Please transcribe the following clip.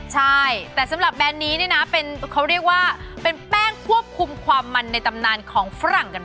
ใช่แต่สำหรับแบรนด์นี้เนี่ยนะเขาเรียกว่าเป็นแป้งควบคุมความมันในตำนานของฝรั่งกันบ้าง